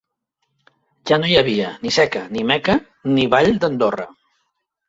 Ja no hi havia ni Seca, ni Meca, ni Vall d'Andorra